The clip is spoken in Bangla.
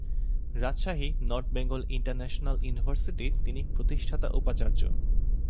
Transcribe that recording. রাজশাহীর নর্থ বেঙ্গল ইন্টারন্যাশনাল ইউনিভার্সিটির তিনি প্রতিষ্ঠাতা উপাচার্য।